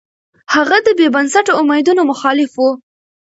هغه د بې بنسټه اميدونو مخالف و.